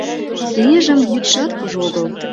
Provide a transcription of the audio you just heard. Кеҥежым йӱдшат кужу огыл.